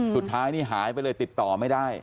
สุดท้ายนี่หายไปเลยติดต่อไม่ได้